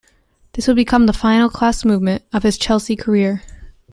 This would become the final class moment of his Chelsea career.